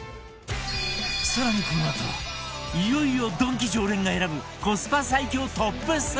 更にこのあといよいよドンキ常連が選ぶコスパ最強トップ３へ！